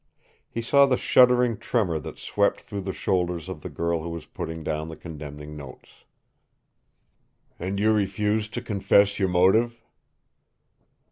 He saw the shuddering tremor that swept through the shoulders of the girl who was putting down the condemning notes. "And you refuse to confess your motive?"